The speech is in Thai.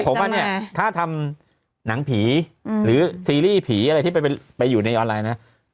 ผมว่าเนี่ยถ้าทำหนังผีหรือซีรีส์ผีอะไรที่ไปอยู่ในออนไลน์นะ